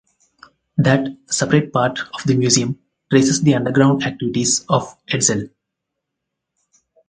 That separate part of the museum traces the underground activities of Etzel